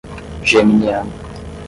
Geminiano